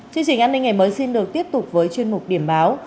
chương trình an ninh ngày mới xin được tiếp tục với chuyên mục điểm báo